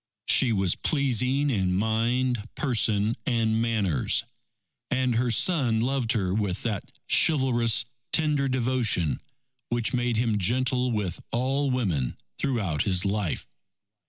She was pleasing in mind, person, and manners. And her son loved her with that chivalrous tender devotion, which made him gentle with all women throughout his life.